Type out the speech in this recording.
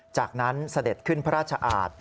จากนั้นเสด็จขึ้นพระราชอาท